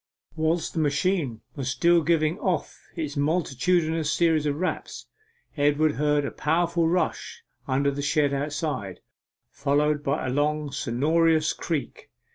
Whilst the machine was still giving off its multitudinous series of raps, Edward heard a powerful rush under the shed outside, followed by a long sonorous creak.